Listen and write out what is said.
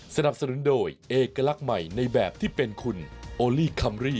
สนับสนุนโดยเอกลักษณ์ใหม่ในแบบที่เป็นคุณโอลี่คัมรี่